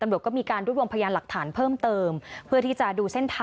อ่าเข้าห้องเช่าให้ไปเตือนให้หน่อย